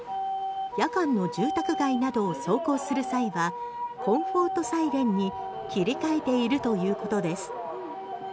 夜間の住宅街などを走行する際はコンフォート・サイレンに切り替えているということです。